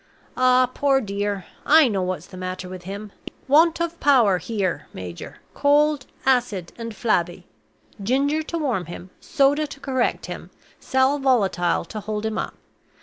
Ah, poor dear, I know what's the matter with him! Want of power here, major cold, acid, and flabby. Ginger to warm him; soda to correct him; sal volatile to hold him up.